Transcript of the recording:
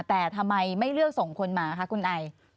แต่ทำไมไม่เลือกส่งคนมาคะคุณไอ